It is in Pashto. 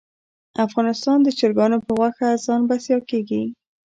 افغانستان د چرګانو په غوښه ځان بسیا کیږي